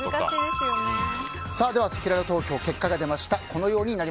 せきらら投票、結果が出ました。